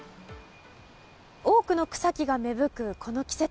多くの草木が芽吹くこの季節。